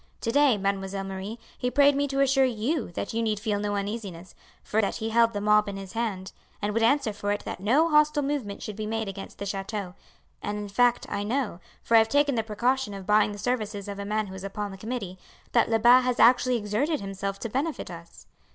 To day, Mademoiselle Marie, he prayed me to assure you that you need feel no uneasiness, for that he held the mob in his hand, and would answer for it that no hostile movement should be made against the chateau, and in fact I know, for I have taken the precaution of buying the services of a man who is upon the committee, that Lebat has actually exerted himself to benefit us.